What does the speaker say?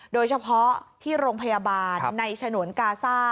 โดยเฉพาะที่โรงพยาบาลในฉนวนกาซ่า